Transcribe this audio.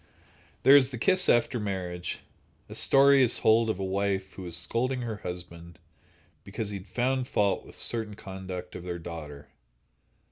There is the kiss after marriage. A story is told of a wife who was scolding her husband because he had found fault with certain conduct of their daughter.